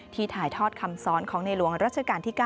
ถ่ายทอดคำสอนของในหลวงรัชกาลที่๙